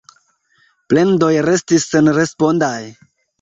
Plendoj restis senrespondaj.